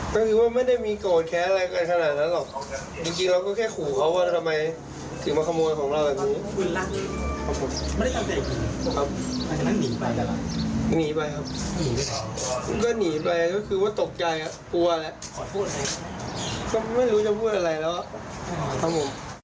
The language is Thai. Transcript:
ก็หนีไปก็คือว่าตกใจก็กลัวแล้วก็ไม่รู้จะพูดอะไรแล้ว